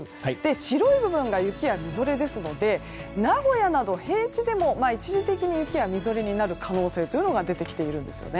白い部分が雪やみぞれですので名古屋など平地でも一時的に雪や、みぞれになる可能性が出てきているんです。